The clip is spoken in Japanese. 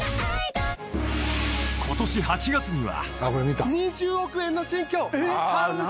［今年８月には］